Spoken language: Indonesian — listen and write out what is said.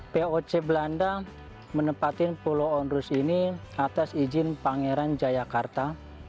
poc belanda menempatkan pulau onrus ini atas izin pangeran jayakarta